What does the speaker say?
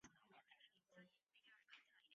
青岛教会的聚会人数锐减。